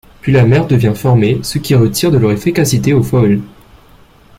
Puis la mer devient formée, ce qui retire de leur efficacité aux foils.